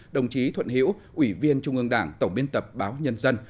đồng chí thuận hiễu ủy viên trung ương đảng tổng biên tập báo nhân dân